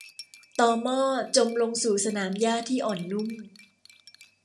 ตอม่อจมลงสู่สนามหญ้าที่อ่อนนุ่ม